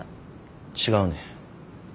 違うねん。